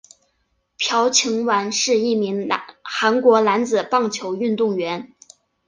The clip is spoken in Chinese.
朴勍完是一名韩国男子棒球运动员。